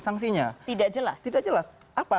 sanksinya tidak jelas tidak jelas apa